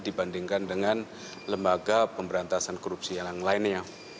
dibandingkan dengan lembaga pemberantasan korupsi yang lainnya